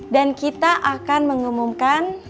dan kita akan mengumumkan